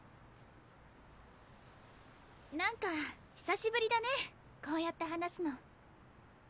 何か久しぶりだねこうやって話すの。